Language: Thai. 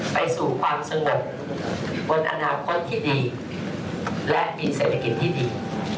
ไปสู่ความสงบบนอนาคตที่ดีและมีเศรษฐกิจที่ดี